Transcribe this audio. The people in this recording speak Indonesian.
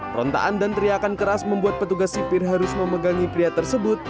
perontaan dan teriakan keras membuat petugas sipir harus memegangi pria tersebut